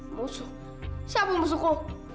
musuh siapa musuhku